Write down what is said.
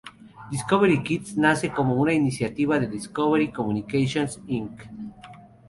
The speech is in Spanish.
Discovery Kids nace como una iniciativa de "Discovery Communications Inc".